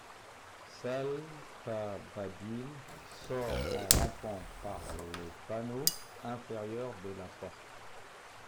Saltabadil sort en rampant par le panneau inférieur de la porte.